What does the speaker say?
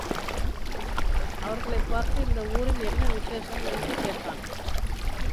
அவர்களைப் பார்த்து இந்த ஊரில் என்ன விசேஷம்? என்று கேட்டான்.